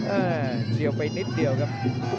เฉียวไปนิดเดียวครับ